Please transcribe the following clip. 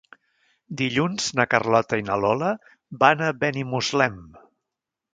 Dilluns na Carlota i na Lola van a Benimuslem.